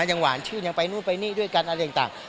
ยังหวานชื่นยังไปนู่นไปนี่ด้วยกันอะไรต่าง